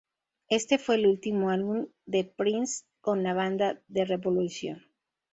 Este fue el último álbum de Prince con la banda The Revolution.